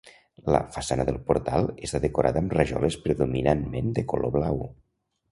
La façana del portal està decorada amb rajoles predominantment de color blau.